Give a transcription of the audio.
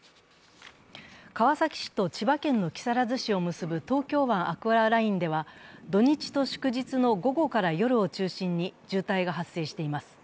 川崎市と千葉県の木更津市を結ぶ東京湾アクアラインでは、土日と祝日の午後から夜を中心に渋滞が発生しています。